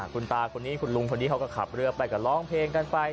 คุณตาคนนี้คุณลุงคนนี้เขาก็ขับเรือไปก็ร้องเพลงกันไป